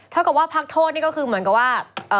เท่ากับว่าพักโทษนี่ก็คือเหมือนกับว่า